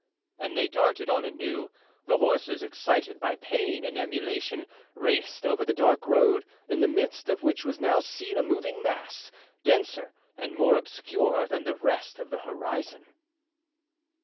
And they darted on anew. The horses, excited by pain and emulation, raced over the dark road, in the midst of which was now seen a moving mass, denser and more obscure than the rest of the horizon.